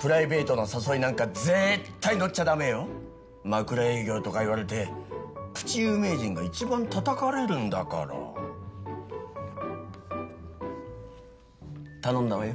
プライベートの誘いなんか絶対乗っちゃダメよ枕営業とか言われてプチ有名人が一番たたかれるんだから頼んだわよ